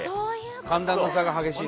寒暖の差が激しいんだね。